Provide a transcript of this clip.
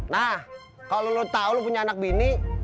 nah kalau lo tahu lo punya anak bini